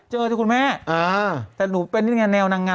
เจอคุณแม่แต่หนูเป็นแนวนางงาน